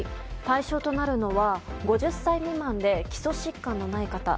対象となるのは５０歳未満で基礎疾患がない方。